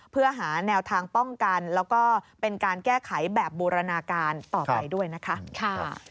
เพื่อหาแนวทางป้องกันแล้วก็เป็นการแก้ไขแบบบูรณาการต่อไปด้วยนะคะ